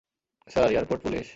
Sir, airport police?